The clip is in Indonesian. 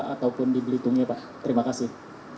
ataupun di belitungnya pak terima kasih